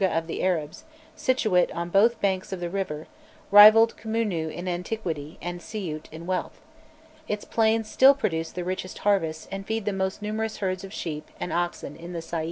Beyond Apû, Thinis, the Girgeh of the Arabs, situate on both banks of the river, rivalled Khmûnû in antiquity and Siût in wealth: its plains still produce the richest harvests and feed the most numerous herds of sheep and oxen in the Said.